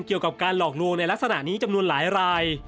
เกี่ยวกับการหลอกลวงในลักษณะนี้จำนวนหลายราย